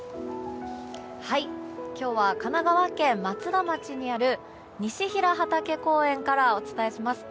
今日は神奈川県松田町にある西平畑公園からお伝えします。